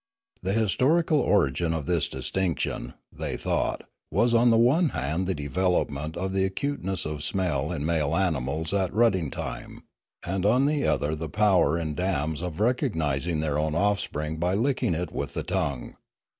The historical origin of this distinction, they thought, was on the one hand the development of the acuteness of smell in male animals at rutting time, and on the other the power in dams of recognis ing their own offspring by licking it with the tongue.